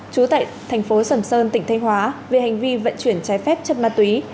trú tại thành phố sầm sơn tỉnh thanh hóa về hành vi vận chuyển trái phép chất ma túy